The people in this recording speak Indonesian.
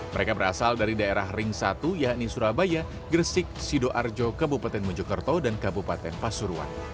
mereka berasal dari daerah ring satu yakni surabaya gresik sidoarjo kabupaten mojokerto dan kabupaten pasuruan